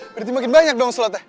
berarti makin banyak dong slotnya